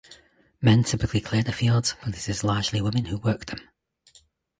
Men typically clear the fields, but it is largely women who work them.